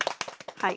はい。